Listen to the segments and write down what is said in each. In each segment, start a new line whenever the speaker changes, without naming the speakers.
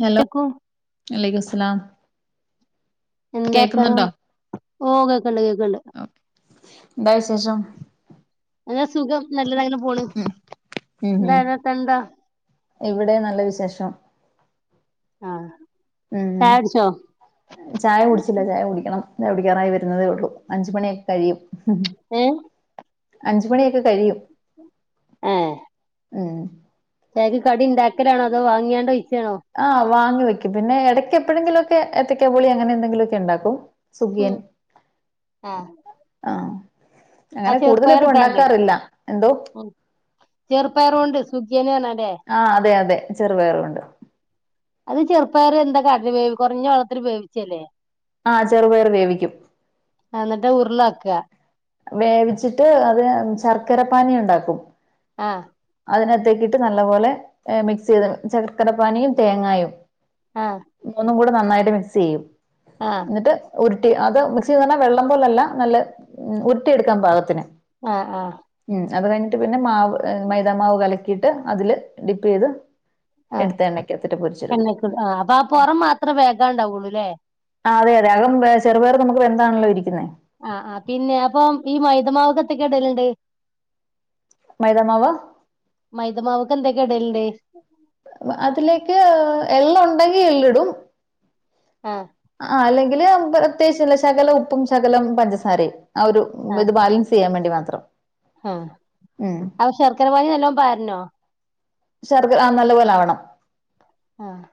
Hello
കേക്കും
വലൈകുസ്സ സ്സലാം
എന്താ ർത്താനം ഓ കേക്ണ്ട് കേക്ണ്ട്
എന്താ വിശേഷം
ഏ സുഖം നല്ലതാ [unintelligible]
ഉം ഉം ഉം
എന്താ
ഇവിടെ നല്ല വിശേഷം
ആഹ്
ഉം
ചായ കുടിച്ചോ
ചായ കുടിച്ചില്ല ചായ കുടിക്കണം ചായ കുടി ക്ക്യാറായി വരുന്നതേ ഒള്ളൂ അഞ്ചു മണിയൊക്കെ കഴിയും ഹു ഹും
ഏഹ്
അഞ്ചുമണിയൊക്കെ കഴിയും
ഏഹ്
ഉം
ചായക്ക് കടി ഇണ്ടാക്കലാണോ അതോ വാങ്ങിയാണ്ടോ ക്യാണോ
ആഹ് വാങ്ങി വെക്കും പിന്നെ എടക്ക് എപ്പോഴെങ്കിലോക്കെ എത്തക്കാ പുളി അങ്ങനെ എന്തെങ്കിലു ഒക്കെ ഉണ്ടാക്കും
ഹം
സുഖിയൻ
ആഹ്
ആ
ആ
അങ്ങനെ
ചെറുപ്പയർ
കൂടുതലിപ്പം
ഇട്ടാണ്ട്
ഉണ്ടാക്കാറില്ല എന്തോ
ഉം ചെറുപ്പയറോണ്ട് സുഖിയന് പർഞ്ഞാ
ആഹ് അതെ അതെ ചെറുപയറോണ്ട്
അത് ചെറുപ്പയർ എന്താ കാട്ടല് വേ കുറഞ്ഞ വെളത്തില് വേവിച്ചല്ലേ
ആഹ് ചെറുപയർ വേവിക്കും
ക്കാ
വേവിച്ചിട്ട് അത് ശർക്കര പാനി ഉണ്ടാക്കും
ആഹ്
അതിനത്തേക്കിട്ട് നല്ലപോലെ മിക്സ് ചെയ്ത് ശർക്കര പാനിയും തേങ്ങായും
ആഹ്
മൂന്നും കൂടെ നന്നായിട്ട് മിക്സ് ചെയ്യും
ആഹ്
എന്നിട്ട് ഉര് ട്ടി അത് മിക്സ യ്യും പറഞ്ഞാൽ വെള്ളം പോലല്ല നല്ല ഉരുട്ടിയെടുക്കാൻ പാകത്തിന്
ആഹ് ആഹ്
ഉം അത് കഴിഞ്ഞിട്ട് പിന്നെ മാവ് എ മൈദാമാവ് കലക്കിയിട്ട് അതില് ഡിപ്പ് ചെയ്ത്
ആഹ്
എടുത്ത് എണ്ണക്കകത്തിട്ട് പൊരിചെടുക്കും
എണ്ണക്കിടും ആഹ് അപ്പൊ ആ
ഉം
പുറം മാത്രം വേകാണ്ടാവുള്ളൂല്ലേ
ആ അതെ അതെ അകം ചെറുപയർ നമുക്ക് വെ അതാണല്ലോ ഇരിക്കുന്നേ
ആ ആ പിന്നെ അപ്പം ഈ മൈദമാവ്ക്കത്തൊക്കെ ഇടലണ്ട്.
മൈദാമാവ്
മൈദ മാവ് ക്എന്തോകെ വേൽ ഡേ
അതിലേക്ക് എള്ള്ഉണ്ടെങ്കി എള്ളിടും.
ആഹ്
ആ അല്ലെ തില് പ്രത്യേശ് ശകലം ഉപ്പും ശകലം പഞ്ചസാരയും, ആ ഒരു ഇത് ബാലൻസ് ചെയ്യാൻ വേണ്ടി മാ ത്രം
ആ അശർക്കര പാനി പാരണോ
ശർക്ക ആഹ നല്ല പോലെ ആവണം
ആഹ്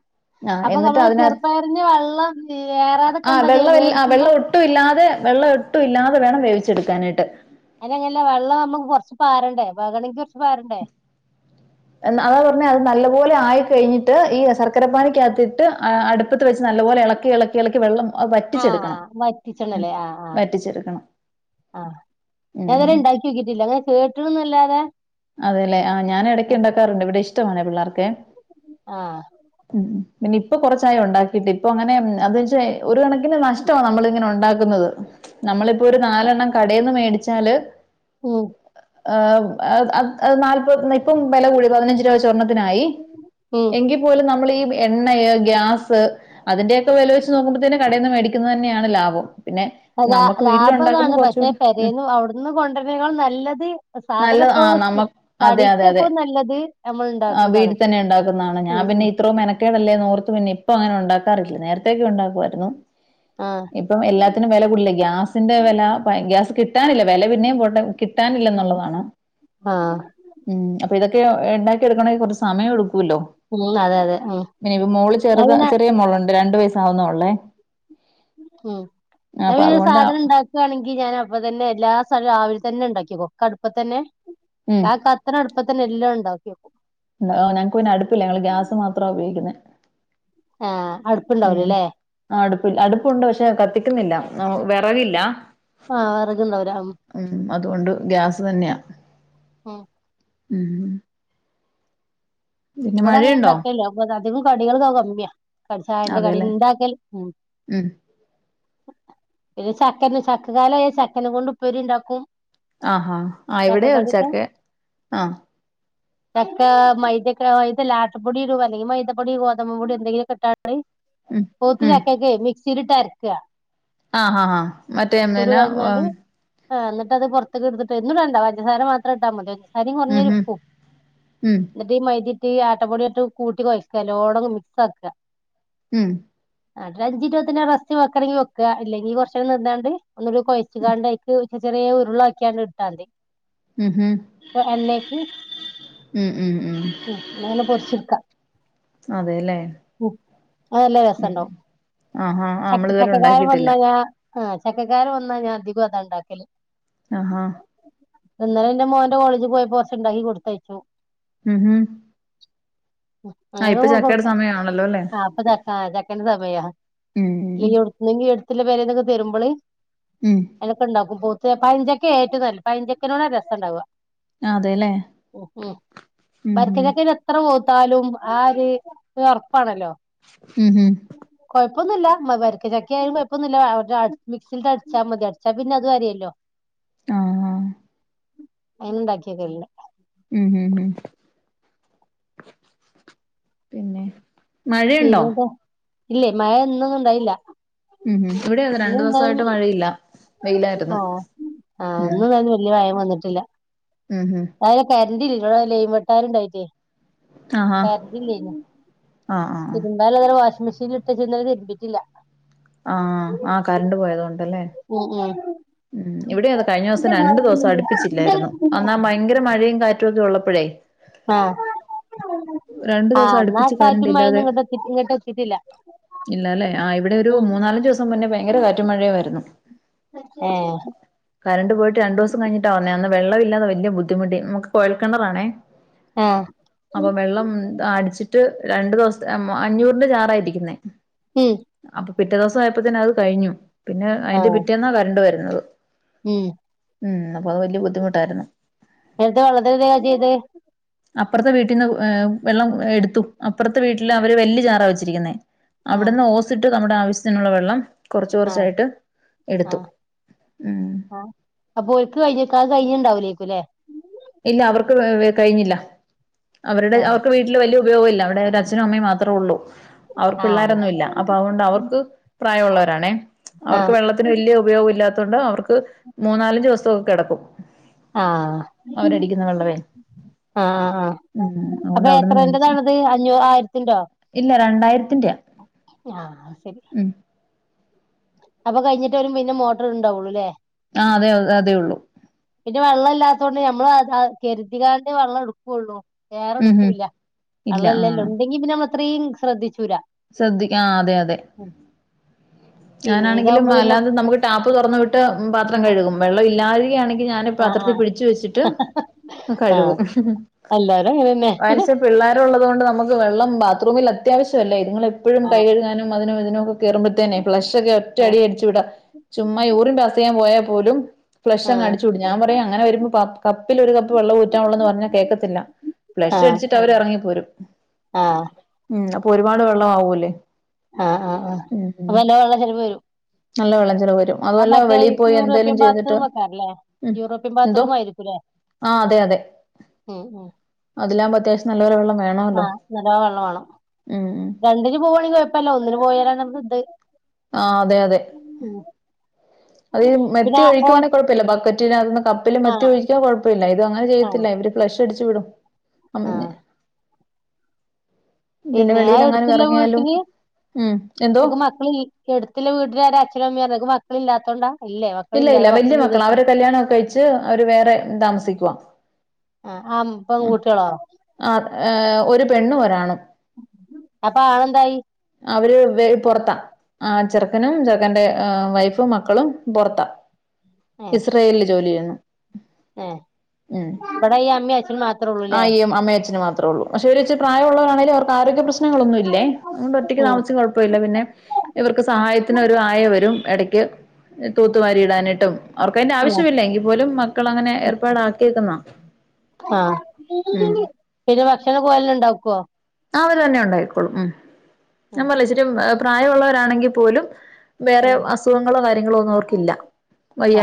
ആ
അപ്പൊ
എന്നിട്ട്
നമ്മള്
അതിന
ചെറുപ്പയറിന് വെള്ളം ഏറാതൊക്കെ
ആ
എന്താ
വെള്ള
ചെയ്യ വേവിക്കുമ്പോ
വെള്ളം ഒട്ടും ഇല്ലാതെ വെള്ളം ഒട്ടും ഇല്ലാതെ വേണം വേവിച്ചു എടുക്കാനായിട്ട്
അനങ്ങനല്ല വള്ളം നമ്മുക്ക് കൊറച്ചു പാറണ്ടേ വേകണെങ്കി കൊറച്ചു പാറണ്ടേ
അതാ പറഞ്ഞ അത് നല്ലപോലെ ആയി കഴിഞ്ഞിട്ട് ഈ ശർക്കരപ്പാനിക്ക അകത്തിട്ട് അടുപ്പത്ത് വെച്ച് നല്ല പോലെ ഇളക്കി ഇളക്കി ഇളക്കി വെള്ളം അത്
ആ
വറ്റിച്ചെടുക്കണം ഉം
വറ്റിച്ചിട്ടുണ്ടല്ലേ ആഹ ആഹ
വറ്റിച്ചെടുക്കണം
ആഹ ഞാൻ അങ്ങനെ
ഉം
ഇണ്ടാക്കി നോക്കിട്ടില്ല. അങ്ങനെ കേകണ് അല്ലതെ
അതല്ലേ ഞാൻ ഇടക്ക് ഉണ്ടാക്കാറുണ്ട് ഇവിടെ ഇഷ് ട്ടോനെ പിള്ളേർക്കെ
ആഹ
നിപ്പ കുറച്ചായി ഉണ്ടാക്കിട്ട് ഇപ്പോ അങ്ങനെ അന്നൊച്ച ഒരു കണക്കിന് നഷ്‌ടമാണ് നമ്മള് ഇങ്ങനെ ഉണ്ടാക്കുന്നത് നമ്മള് ഇപ്പോരു നാലെണ്ണം കടേന്ന് മേടിച്ചാ ചാല്
ഉം
[unintelligible] അയ് അയ് നാല്പത് [unintelligible] ഇപ്പം ഇപ്പം വില കൂടി പതിനഞ്ചിരൂപാ വെച്ച് ഒരണ്ണത്തിനായി
ഉം
എങ്കിപോലും നമ്മളി എണ്ണയ് ഗ്യാസ് അതിൻ്റെക്ക വിലവെച്ചു നോക്കുമ്പോ തന്നെ കടയിന്ന് മേടിക്കുന്നത് തന്നയാണ് ലാഭം പിന്നെ
ലാ
നമുക്ക് വീട്ടിൽ
ലാഭ
ഉണ്ടാക്കുമ്പോ
അതാണ് പശെ
കുറച്ചുകൂടി ഉം
പെരെന്ന് അവിടെന്ന് കൊണ്ടുരു നല്ലത്
നല്ലത് ആ
സാധനിപ്പോ
നമ്മ
[unintelligible]
അതെ അതെ അതെ ആ
ഇണ്ടാക്കണതാണ്
വീട്ടിൽ തന്നെ ഇണ്ടാക്കുന്നയാണ് ഞാൻ
ഉം
പിന്നെ
ഉം
ഇത്രോം മെനകേടല്ലേ ഓർത്ത് പിന്നെ ഇപ്പോ ഞാൻ ഉണ്ടാകാറില്ല നേരത്തെക്കെ ഉണ്ടാക്കുവായിരുന്നു
ആഹ്
ഇപ്പം എല്ലാത്തിനും വില കൂടിയില്ലേ ഗ്യാസിൻ്റെ വില പയ ഗ്യാസ് കി കിട്ടാനില്ല വില പിന്നെയും കൊണ്ട കിട്ടാനില്ലന്നുള്ളതാണ്
ആഹ
ഇതെക്കെ ഇണ്ടാക്കി എടുകണമെങ്കിൽ കുറച്ച് സമയമെടു
ഉം അതെ അതെ ഉം
ഇനിപ്പം മോള്
ഞാൻ
ചെറുതാ
പിന്നെ
ചെറിയ മോളാ രണ്ട് വയസ [unintelligible]
ഉം
അതുകൊണ്ട്
സാധനം ഉണ്ടാകാണെങ്കിൽ ഇപ്പതന്നെ എല്ലാം സലം രാവിലെ തന്നെ ഇണ്ടാക്കി ഒക്കെ അടുപ്പ തന്നെ
ഉം
[unintelligible]
ഞങ്ങക്ക് പിന്നെ അടുപ്പില്ല ഞങ്ങള് ഗ്യാസ് മാത്രാ ഉപയോഗിക്കുന്നെ
ആഹ
ഉം ആഹ അടുപ്പില്ല അടുപ്പൊണ്ട് പക്ഷെ കത്തിക്കുന്നില്ല ആ വിറവില്ല
ആഹ് വിറകുണ്ടാവൂല
ഉം അതുകൊണ്ട് ഗ്യാസ് തന്നെയാ
ഉം
ഉം പിന്നെ
ഇവിടൊങ്ങ
മഴയുണ്ടോ
ഉണ്ടാക്കല്ലത അതും കടികൾക കമ്മിയാ കടിച്ച അന്റെ കള
അതെല്ലേ
ഇണ്ടാക്കല് ഉ
ഉം
പിന്നെ ചക്കന് ചക്ക കാല ചക്കന കൊണ്ട് ഉപ്പേരി ഉണ്ടാക്കും
ആഹാ ആ് ഇവിടെ
ചക്കക്കടിയൊക്കെ
ചക്കെ ആഹ
ചക്ക മൈദക്ക് ആഹ ഇത്ാുപൊടിടും അല്ലെങ്ക മൈതപ്പൊടി അല്ലെങ്കിൽ ഗോതമ്പു പൊടി എന്തെങ്കില്ക്കുണ്ടാകും
ഉം
മൂത്ത ചക്കക്കെ മ ഇരുട്ടാരിക്ക
ആഹ് ആഹ് ആഹാ മറ്റേ എമേനാ
ആ എന്നിട്ട്ത് പുറത്തേക്ക് എടുത്തിട്ട് എന്നന്നട്ടണ്ട പഞ്ചസാര മാത്രം ഇട്ടാൽ മതി. ം
ഉം
കുറഞ്ഞൊരുപ്പും
ഉം
എന്നിട്ട് ഈ മൈ ഇനി ത്തിരിഈ ആട്ടപ്പൊടിട്ട് കൂട്ടി കൊഴയ്ക്കല്ലോടങ് നല്ലോണം മിക്സ് ആക്കുക
ഉം
എന്നിട്ട് അഞ്ചിരുപത് റസ്റ്റ് വെക്കണോങ്കി വെക്കുക ഇല്ലെങ്കിൽ കുറച്ച് നേരം നിന്നോണ്ട് ഒന്നരു കൊഴച്ചുകാണ്ടയ്ക്ക് ചെറിയ ഉരുളയാക്കിയാണ്ട് ഇട്ടാ മതി
ഉം ഉം ഉം ഉം ഉം
ഉ അങ്ങനെ തന്നെ പൊരിച്ചെടുക്കാം
അതെല്ലേ
ഉ നല്ലാ
ഉം
രസുണ്ടാവും
ആഹാ നമ്മള്
ശക്തി
ഇതുവരെ
[unintelligible] താര
ഉണ്ടാക്കിയിട്ടില്ല
നല്ലതാ ആഹ് ചക്ക കാലംവന്നാ ഞാൻ അധികം അതാ ഉണ്ടാക്കല്
ആഹഹാ
ഇന്നലെ എന്റെ മോന്റെ കോളേജിൽ പോയപ്പോൾ കുറച്ചുണ്ടാക്കി കൊടുത്തയച്ചു
ഉം ഹം
അങ്ങനെ കൊടുത്തേ
സമയമാണല്ലോ അല്ലേ
അപ്പചക്കാ എന്താ പയ്യാ
ഉം
[unintelligible] വല്യ പെരേന്ന് ഒക്കെ തരുമ്പള്
ഉം
അനക്ക്ഉണ്ടാക്കും ബോ പഴം ചക്കയാഏറ്റവും നല്ലത് പഴംചക്കയോടാണ് ഏറ്റവും രസം ഉണ്ടാവുക
അതെല്ലേ
ഉ ഉ
ഉം
വരിക്ക
ഉം
ചക്കെ ടെ അത്ര വേവ് വർത്താലും ആര് [unintelligible] പ്പാണല്ലോ
ഉം ഉം
കൊയ്പ്പ പ്പൊന്നൂല്ല മ വരിക്ക ചക്കയാലും കൊയപ്പൊന്നൂല്ല അ അട് മിക്സിലിട്ട് അടിച്ചാ മതി അടിച്ചാ പിന്നെ അത് അരയല്ലോ
ആ ആ
എന്താക്കിക്കേല്ല
ഉം മ് മ് പിന്നെ മഴയുണ്ടോ
പിന്നെന്താ ഇല്ലേ മഴ ഇന്ന് ന്നും ഉണ്ടായില്ല
ഉം ഇവിടെ അതെ രണ്ടു
ഇന്ന്
ദിവസായിട്ട്
എന്തായാലും
മഴയില്ല വെയിലായിരുന്നു
ആഹ്
മ്
ട്ടില്ല അയിനെ കരണ്ടില്ല ങ്ങളെ ലെയിൻ വെട്ടാനുണ്ടായിട്ടെ
ആഹാ
കരണ്ടില്ലായിരുന്നു
ആഹ് ആഹ്
തിരുമ്പാനുള്ള ത് ഇന്നലെ വാഷിംഗ് മെഷീനിൽ ഇട്ടേച്ച് ഇന്നലെ തിരുമ്പിട്ടില്ല
ആ ആ ആ കറണ്ട് പോയതോണ്ട്
ഉം ഉം
ഉം ഇവിടെ അതെ കഴിഞ്ഞ ദിവസം രണ്ടു ദിവസം അടുപ്പിച്ചില്ലായിരുന്നു അന്നാ ഭയങ്കര മഴയും കാറ്റും കൊതു ഉള്ളപ്പോഴേ
ആഹ്
രണ്ടു
ആഹ്
ദിവസം
എന്നാ
അടുപ്പിച്ചു
കാറ്റും മഴയൊന്നും
കരണ്ടില്ലാതെ
ഇങ്ങോട്ട് എത്തി ഇങ്ങോട്ട് എത്തിയിട്ടില്ല
ഇല്ലാലേ ആ ഇവിടെ ഒരു
ഉം
മൂന്നാലഞ്ചു ദിവസം മുന്നേ ഭയങ്കര കാറ്റും മഴയുമായിരുന്നു
ഏഹ്
കറണ്ട് പോയിട്ട് രണ്ടു ദിവസം കഴിഞ്ഞിട്ടാ വന്നേ ന്ന വെള്ളമില്ലാതെ വല്ല്യ ബുദ്ധിമുടട്ടി നമുക്ക് കൊയൽക്കെണറാണേ
ആഹ്
അപ്പൊ വെള്ളം അടിച്ചിട്ട് രണ്ടു ദിവസത്തെ മ്മ് അഞ്ഞൂറിന്റെ ജാറായിരിക്കുന്നേ
ഹും
അപ്പൊ പിറ്റേ ദിവസ ആയപ്പോ തന്നെ അത് കഴിഞ്ഞു പിന്നെ അതിന്റെ
ആഹ്
പിറ്റേന്നാ കരണ്ട് വര വരുന്നത്
ഉം
ഉം അപ്പൊ അത് വലിയ ബുദ്ധിമുട്ടായിരുന്നു
നേരത്തെ വെള്ളത്തിന് എന്താ ചെയ്തത്
അപ്പുറത്തെ വീട്ടീന്ന് എ വെള്ളം എടുത്തു അപ്പുറത്തെ വീട്ടില് അവര് വല്ല്യ ജാറ വെച്ചിരിക്കുന്നേ
ആഹ്
അവിടുന്ന് ഓസിട്ട് നമ്മുടെ ആവശ്യത്തിനുള്ള വെള്ളം കുറച്ച് കുറച്ചായിട്ട് എടുത്തു ഉം
ആ അപ്പൊ ഓല്ക്ക് കയിണ്ടാവൂലെ കുലെ
ഇല്ല അവർക്ക് കഴിഞ്ഞില്ല അവരുടെ
ആഹ്
അവർക്ക് വീട്ടില് വലിയ ഉപയോഗംമല്ല അവിടെ ഒരു അച്നും അമ്മയും മാത്രേ ഉള്ളൂ അവർ
ആഹ്
പിള്ളോരൊന്നുമ ഇല്ല അപ്പൊ അതുകൊണ്ട് അവർക്ക് പ്രായമുള്ളവരണേ അവർക്ക്
ആഹ്
വെള്ളത്തിന് വലിയ ഉപയോഗം ഇല്ലാത്ത കൊണ്ട് അവർക്ക് മൂന്നാലും ദിവസൊക്കെ കിടക്കും
ആ
അവരടിക്കുന്ന വെള്ളവേ
ആ ആ
ഉം
അപ്പൊ
അതുകൊണ്ട് അവിടുന്ന് മേടിച്ചു
എത്രേണ്ടതാണത് അഞ്ഞൂ ആയിരത്തിന്റോ
ഇല്ല രണ്ടായിരത്തിന്റെയാ
ആ ശരി
ഉം
അപ്പൊ കഴിഞ്ഞിട്ട വരും പിന്നെ മോട്ടർ ഉണ്ടാവുള്ളു അല്ലേ
ആ അതെ അതേ ഉള്ളൂ
പിന്നെ വെള്ളം ഇല്ലാത്ത കൊണ്ട് നമ്മൾ അത് കെരുതി കാണ്ട് വെള്ളം എടുക്കുകയുള്ളൂ
ഉം ഉം
ഏറെടുക്കൂല്ല
ഇല്ല
വള്ളം
ആ
ഇല്ലല്ലാം ഉണ്ടെങ്കി പിന്നെമ്മ അതൃ ശ്രദ്ധിച്ചു
ശ്രദ്ധിക്ക ആ അതെ അതെ
പിന്നെ
ഞാനാണെങ്കിലും
ഇതാവുമ്പോ പിന്നെ
അല്ലാതെ നമുക്ക് ടാപ്പ് തുറന്നു വിട്ട് പാത്രം കഴുകും വെള്ളം ഇല്ലാതെ ക്കെയാണെങ്കിൽ
ആഹ്
പാത്രത്തിൽ
ആഹ്
പിടിച്ചുവെച്ച്ട്ട്
ആഹ്
കഴുകും.
എല്ലാരും അങ്ങനെന്നെ
അതിനുശേഷം പിള്ളേർ ഉള്ളതു കൊണ്ട് നമുക്ക് വെള്ളം ബാത്റൂമിൽ അത്യാവശ്യല്ലേ ങ്ങള എപ്പോഴും കൈ
ആഹ്
കഴുകാനും അതിനോ ഇതിനോ കേയറുമ്പഴത്തേെ ഫ്ലഷ് ഒക്കെ ഒറ്റ
ആഹ്
അടി അടിച്ചു വിടാ ചുമ്മാ പാസ് യ്യാൻ പോയ പോലും ഫ്ലഷ്
ആഹ്
അങ് അടിച്ചുൂടും ഞാൻ പറ അങ്ങനെ വരുമ്പോ കപ്പില് ഒരു കപ്പ് വെള്ളം ഊറ്റാവുള്ള എന്ന് പറഞ്ഞാ കേൾക്കത്തില്ല
ആഹ്
ഫ്ലഷ്ടിച്ചട്ട് അവർ ഇറങ്ങിപ്പോരും
ആഹ്
ഉം പോരും ഒരുപാട് വെള്ളം ആവൂല്ലേ
ആഹ് ആ ആഹ് അപ്പൊ നല്ലോം വെള്ള ചെലവ് വരും
നല്ല വെള്ളച്ചെലവ് വരും
ആ
അതല്ല
മറ്റേ
വെളിൽ പോയി എന്തേലും
യൂറോപ്യൻ
ചെയ്തിട്ട്
ബാത്റൂം വെക്കാറില്ലേ
ഉം
യൂറോപ്യൻ
എന്തോ
ബാത്റൂം ആയിരിക്കുംല്ലേ
ആ അതെ അതെ
ഉം ഉം
അതിലാവുമ്പോ അത്യാവശ്യം നല്ല വെള്ളം വേണമല്ലോ
ആഹ് നല്ലോം വെള്ളം വേണം
ഉം ഉം
രണ്ടിന് പോ ണ കുഴപ്പമല്ല ഒന്നന് പോയാലാണ് ഇത്
ആ അതെ അതെ അത്
പിന്നെ
മെത്തിയ
ഓ
ഒഴിക്കുവാണങ്കിൽ കുഴപ്പമില്ല ബക്കറ്റിലാ കപ്പിൽ മത്തി
ആഹ്
ഒഴിക്കാ കുഴപ്പമില്ല ഇത് അങ്ങനെ
ആഹ്
ചെയ്യത്തില്ല ഇവര്ക്ലഷ് തിരിച്ചുവിടും [unintelligible]
ആഹ് പിന്നെ ആ എടുത്തുള്ള
ഇറങ്ങിയാലും
വീട്ടില്
ഉം എന്തോ
ഓൾക്ക് മക്കളെ എടുത്തുള്ള വീട്ടില് ആരാ അച്ഛനും അമ്മയുമാണ്. മക്കളെ ഇല്ലാത്തോണ്ടാ.
ഇല്ല ഇല്ല വല്ല്യ മക്കളാ അവരെ കല്യാണയൊക്കെ കഴിച്ച് അവര് വേറെ താമസിക്കുവാ.
ആഹ് ആഹ്
ഉം
പെൺകുട്ടികളോ
ആ ഏർ ഒരു പെണ്ണും ഒരാണും
അപ്പൊ ആളെന്തായി
അവര് വേ പുറത്ത ആ ചെറ [unintelligible] ടെ വൈഫും മ മക്കളും പൊറത്ത ഇസ്രയേലില് ജോലി ചെയ്യുന്നു.
ഉം ഇവിടെ ഈ അമ്മയും അ [unintelligible]
ആയിയും അമ്മയും അച്ഛനും മാത്രേള്ളു. പക്ഷെ ഓര് ഇച്ചിരി പ്രായമുള്ളവരാണേലും അവർക്ക് ആരോഗ്യ പ്ര ശനങ്ങളൊന്നുമില്ലേ അതുകൊണ്ട് ഒറ്റക്ക്
ഉം
താമസിച്ച് കുഴപ്പമില്ല പിന്നെ ഇവർക്ക് സഹായത്തിന് ഒരു ആയ വരും ഇട ക്ക് തൂത്തുവാരി ഇടാനായിട്ടും അവർക്ക് അതിന്റെ
ഉം
ആവശ്യമില്ല എങ്കിൽ പോലും മക്കള് അങ്ങനെ ഏർപ്പാട് ആക്കിയേക്കുന്നാ.
ആഹ് പിന്നെ ഭക്ഷണം [unintelligible] ഉണ്ടാക്കുവോ.
ആ അവര്ന്നെ ഉണ്ടായിക്കോളും ഉം. ഞാൻ മുല്ലശ്ശേരി [unintelligible] പ്രായൊള്ളവരാണെങ്കിൽ പോലും. വേറെ അസുഖങ്ങളോ കാര്യങ്ങളോ ഒന്നും അവർക്കില്ല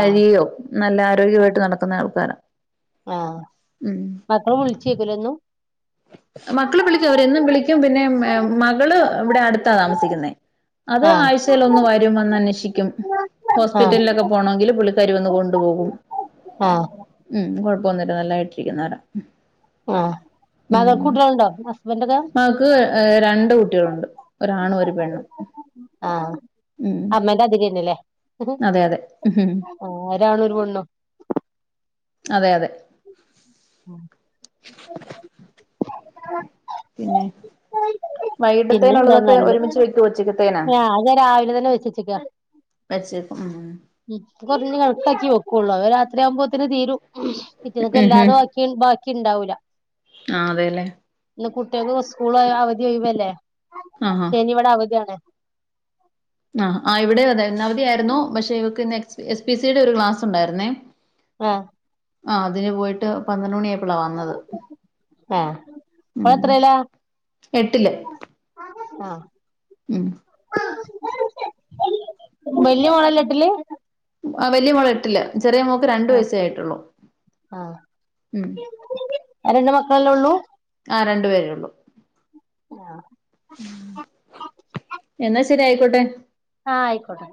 ആഹ്
നല്ല ആരോഗ്യവായിട്ട് നടക്കുന്ന ആൾക്കാര.
ആഹ് മക്ള് വിള് [unintelligible] ക്കുല്ലെന്നും
മക്കള് വിളിക്കും അവരെന്നും വിളിക്കും പിന്നെ മ് മകള് ഇവിടെ അടുത്താ താമസിക്കുന്നേ അത്
ആഹ്
ആഴ്ചയിൽ ഒന്ന് വരും വന്നന്വേഷിക്കും
ആഹ്
ഹോസ്പിറ്റലിലൊക്കെ പോണോങ്കിൽ പുള്ളിക്കാരി വന്ന് കൊണ്ടുപോകും
ആഹ്
ഉം കൊഴ്. പോന്നിട്ട് നല്ലായിട്ടിരിക്ന്ന. [unintelligible]
ആഹ് മകൾക്ക് കുട്ടികളുണ്ടോ ഹസ്ബൻഡക്കെ
മകക്ക് ഏഹ് രണ്ട് കുട്ടികളുണ്ട് ഒരാണും ഒരു പെണ്ണും
ആഹ്
ഉം
അമ്മന്റെ. [unintelligible]
അതെ അതെ
ഒരാണും ഒരു പെണ്ണും
അതെ അതെ. പിന്നെ
പിന്നെന്താ
വൈകിട്ടത്തേനുള്ളതൊക്കെ
നല്ലെ
ഒരുമിച്ച് വെക്കുവോ ഉച്ചക്കത്തേനാ
[unintelligible] രാവിലന്നെ വെച്ചച്ചെക്ക
വെച്ചേക്കും ഉം
[unintelligible] കൊറഞ്ഞ് കണക്കാക്കി വെക് ക്കൊള്ളൂ അവ രാത്രിയാവുമ്പുത്തിന് തീരും. പിറ്റെന്ന്ക്ക് എല്ലാതുവാക്കി ബാക് ക്കിണ്ടാവൂല.
ആ അതെലേ?
ഇന്ന് കുട്ട്യേക്ക് സ്കൂളായ അവധി ഒയിവല്ലേ?
ആഹ്
ശനി ഇവടെ അവധിയാണ്.
ആഹ് ആ ഇവിടെയു അതെ. ഇന്നവധിയാരുന്നു പക്ഷെ ഇവക്കിന്ന് എക്സ് എസ് പി സിയുടെ ഒരു ക്ലാസുണ്ടായിരുന്നേ.
ആഹ്
ആ അതിന് പോയിട്ട് പന്ത്രണ്ടുമണിയായപ് ഇപ്പളാ വന്നത്
ആഹ്
ഉം
ഓള് എത്രയിലാ
എട്ടില്.
ആഹ്
ഉം
വെല്ല്യ മോളല്ലേ എട്ടില്?
ആ വെല്ല്യ മോളേട്ടില്. ചെറിയ മോക്ക് രണ്ട് വയസ്സേ ആയിട്ടുള്ളു
ആഹ്
ഉം.
ക്കളല്ലേ ഒള്ളൂ?
ആ രണ്ടു പേരേ ഒള്ളൂ. എന്നാ ശെ ശെരി ആയിക്കോട്ടെ.
ആ ആയിക്കോട്ടെ.